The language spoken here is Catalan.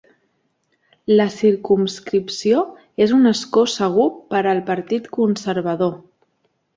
La circumscripció és un escó segur per al Partit Conservador.